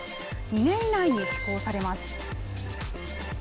２年以内に施行されます。